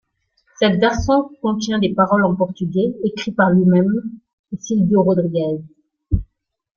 Cette version contient des paroles en portugais écrit par lui-même et Silvio Rodrígues.